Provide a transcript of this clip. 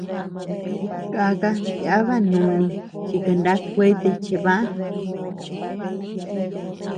Kàka yàba núni chi kaná kuete cheʼebä.